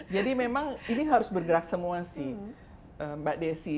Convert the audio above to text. jadi memang ini harus bergerak semua sih mbak desi